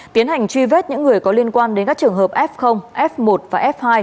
tiến hành truy vết những người có liên quan đến các trường hợp f f một và f hai